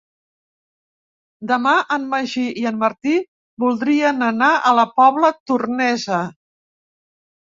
Demà en Magí i en Martí voldrien anar a la Pobla Tornesa.